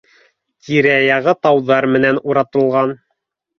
Тирә-яғы тауҙар менән уратылған